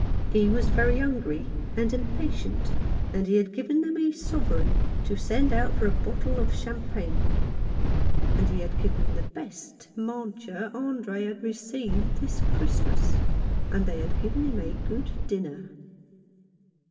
He was very hungry and impatient, and he had given them a sovereign to send out for a bottle of champagne ; and he had given the best mancia Andre had received this Christmas. And they had given him a good dinner.